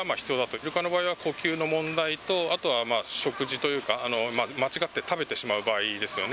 イルカの場合は、呼吸の問題と、あとは食事というか、間違って食べてしまう場合ですよね。